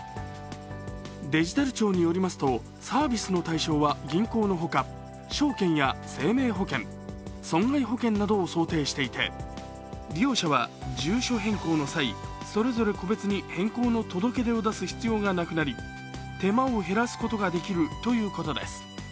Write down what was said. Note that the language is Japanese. デジタル庁によりますと、サービスの対象は銀行の他、証券や生命保険、損害保険などを想定していて利用者は住所変更の際それぞれ個別に変更の届け出を出す必要がなくなり、手間を減らすことができるということです。